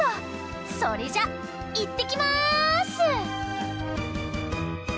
それじゃあいってきます！